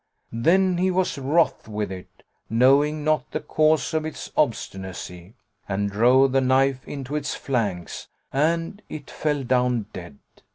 Then he was wroth with it, knowing not the cause of its obstinacy, and drove the knife into its flanks, and it fell down dead.